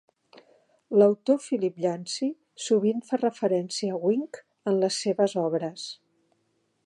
L'autor Philip Yancey sovint fa referència a Wink en les seves obres.